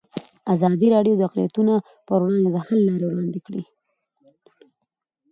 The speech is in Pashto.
ازادي راډیو د اقلیتونه پر وړاندې د حل لارې وړاندې کړي.